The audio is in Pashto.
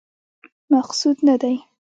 مقصود نه دی.